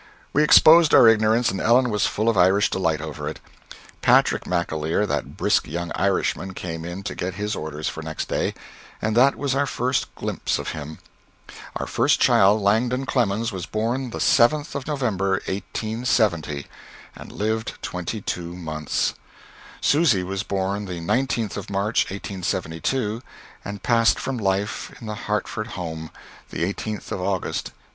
We exposed our ignorance, and Ellen was fall of Irish delight over it. Patrick McAleer, that brisk young Irishman, came in to get his orders for next day and that was our first glimpse of him.... Our first child, Langdon Clemens, was born the 7th of November, 1870, and lived twenty two months. Susy was born the 19th of March, 1872, and passed from life in the Hartford home, the 18th of August, 1896.